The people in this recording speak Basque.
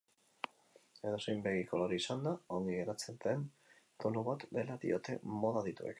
Edozein begi kolore izanda ongi geratzen den tonu bat dela diote moda adituek.